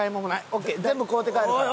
オーケー全部買うて帰るから。